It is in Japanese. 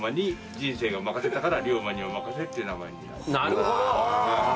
なるほど！